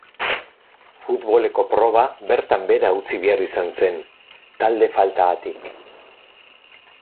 Futboleko proba, bertan behera utzi behar izan zen, talde faltagatik.